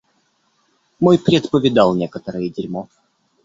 Мой плед повидал некоторое дерьмо.